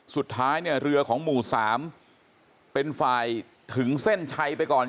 สุดท้ายเนี่ยเรือของหมู่๓เป็นฝ่ายถึงเส้นชัยไปก่อน